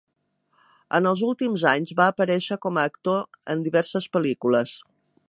En els últims anys va aparèixer com a actor en diverses pel·lícules.